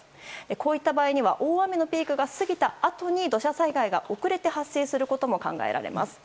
こういった場合には大雨のピークが過ぎたあとに土砂災害が遅れて発生することも考えられます。